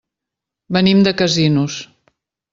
Venim de Casinos.